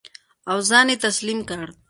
او ځان یې تسلیم کړ.